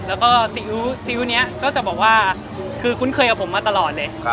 แล้วก็ซีอิ๊วนี้ก็จะบอกว่าคือคุ้นเคยกับผมมาตลอดเลย